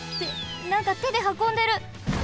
なんかてではこんでる。